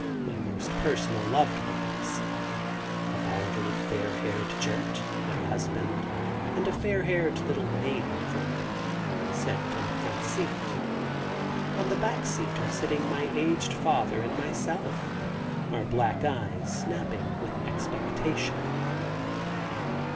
My most personal loved ones. A volatile fair haired gent—my husband, and a fair haired little maiden friend, sit on the front seat. On the back seat are sitting my aged father and myself, our black eyes snapping with expectation.